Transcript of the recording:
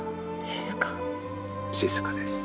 静かです。